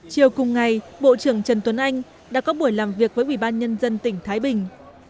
chiều cùng ngày bộ trưởng trần tuấn anh đã có buổi làm việc với ubnd tỉnh thái bình